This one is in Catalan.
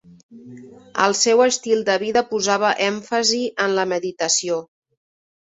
El seu estil de vida posava èmfasi en la meditació.